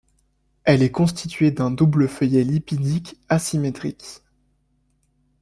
Elle est constituée d'un double feuillet lipidique asymétrique.